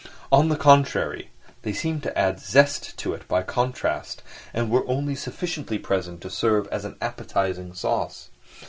On the contrary, they seemed to add a zest to it by contrast, and were only sufficiently present to serve as an appetising sauce.